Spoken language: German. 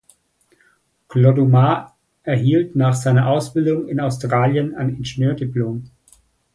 Clodumar erhielt nach seiner Ausbildung in Australien ein Ingenieurdiplom.